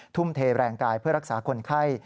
ทุ่มเทแรงกายเพื่อรักษาคนไข้